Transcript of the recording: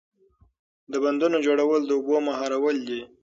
د بندونو جوړول د اوبو مهارول دي.